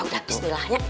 ya udah bismillah ya